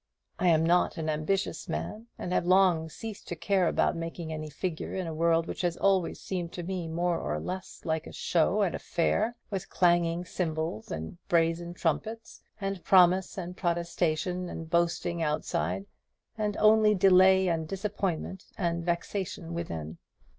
I am not an ambitious man, and have long ceased to care about making any figure in a world which has always seemed to me more or less like a show at a fair, with clanging cymbals and brazen trumpets, and promise and protestation, and boasting outside, and only delay and disappointment and vexation within.